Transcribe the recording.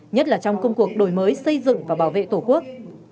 nhất là trong công cuộc đổi mới xây dựng và bảo vệ tổ quốc